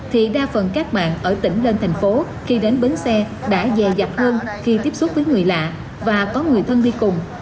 thì đa phần các bạn ở tỉnh lên thành phố khi đến bến xe đã dày dặc hơn khi tiếp xúc với người lạ và có người thân đi cùng